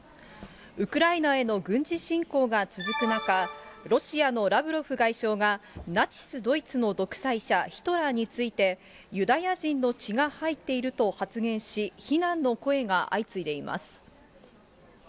ウクライナへの軍事侵攻が続く中、ロシアのラブロフ外相が、ナチス・ドイツの独裁者、ヒトラーについて、ユダヤ人の血が入っていると発言し、非難の声が相次いでいます。